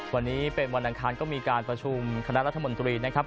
วันนี้เป็นวันอังคารก็มีการประชุมคณะรัฐมนตรีนะครับ